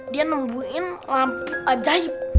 dia nungguin lampu ajaib